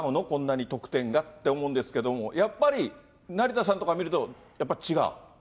こんなに得点がって思うんですけども、やっぱり成田さんとか見ると、やっぱり違う？